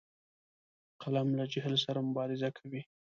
قلم له جهل سره مبارزه کوي